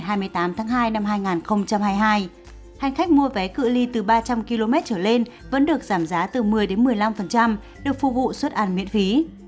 hành khách mua vé cự li từ ba trăm linh km trở lên vẫn được giảm giá từ một mươi một mươi năm được phục vụ xuất ăn miễn phí